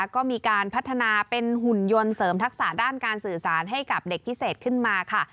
ก็มีการพัฒนาเป็นหุ่นยนต์เสริมทักษะด้านการสื่อสารให้กับเด็กพิเศษขึ้นมาค่ะ